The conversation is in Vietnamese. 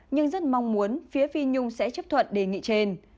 nhưng rất mong muốn phía phi nhung sẽ chấp thuận đề nghị trên